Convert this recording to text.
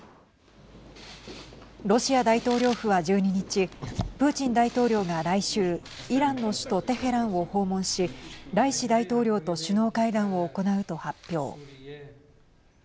ロシア大統領府は、１２日プーチン大統領が来週イランの首都テヘランを訪問しライシ大統領と首脳会談を行うと発表。